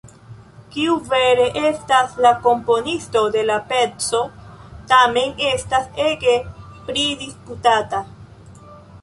Kiu vere estas la komponisto de la peco, tamen estas ege pridisputata.